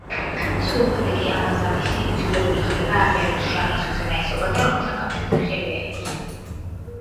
სულ მალე კი ამაზასპი იძულებული ხდება აღიაროს შაჰის უზენაესობა და რომთან კავშირზე ხელი აიღოს.